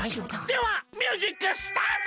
ではミュージックスタート！